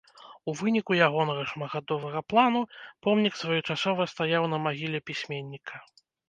У выніку ягонага шматхадовага плану помнік своечасова стаяў на магіле пісьменніка.